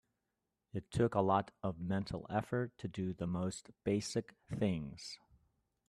It took a lot of mental effort to do the most basic things.